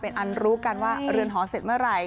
เป็นอันรู้กันว่าเรือนหอเสร็จเมื่อไหร่